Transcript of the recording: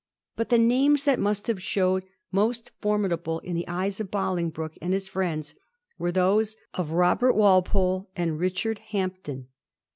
But the names that must have showed most formidable in the €yes of Bolingbroke and his firiends were those of Robert Walpole and Richard Hampden.